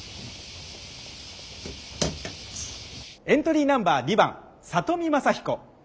エントリーナンバー２番里見雅彦。